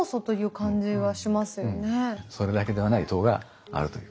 それだけではない糖があるという。